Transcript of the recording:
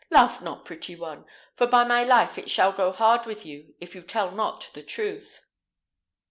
Laugh not, pretty one; for by my life it shall go hard with you if you tell not the truth."